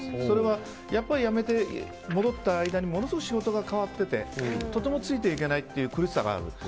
それは、やっぱり辞めて戻った間にものすごく仕事が変わっててとてもついていけないという苦しさがある。